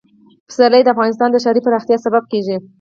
پسرلی د افغانستان د ښاري پراختیا سبب کېږي.